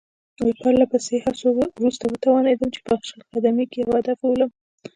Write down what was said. له پرله پسې هڅو وروسته وتوانېدم چې په شل قدمۍ کې یو هدف وولم.